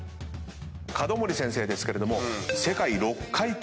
角森先生ですけれども。